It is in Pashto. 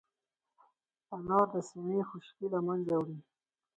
انار د سينې خشکي له منځه وړي.